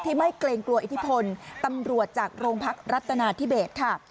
ไม่เกรงกลัวอิทธิพลตำรวจจากโรงพักรัฐนาธิเบสค่ะ